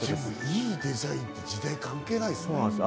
良いデザインって時代関係ないですね。